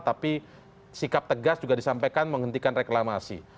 tapi sikap tegas juga disampaikan menghentikan reklamasi